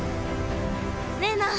レイナ！